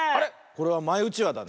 これはマイうちわだね。